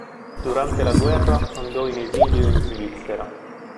Durante la guerra andò in esilio in Svizzera.